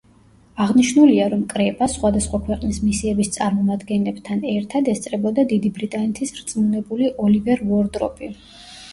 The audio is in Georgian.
აღნიშნულია, რომ კრებას, სხვადასხვა ქვეყნის მისიების წარმომადგენლებთან ერთად, ესწრებოდა დიდი ბრიტანეთის რწმუნებული ოლივერ უორდროპი.